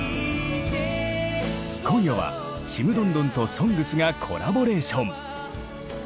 今夜は「ちむどんどん」と「ＳＯＮＧＳ」がコラボレーション。